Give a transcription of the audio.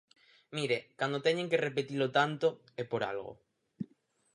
Mire, cando teñen que repetilo tanto, é por algo.